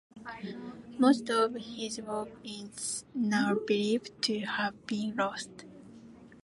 Most of his work is now believed to have been lost.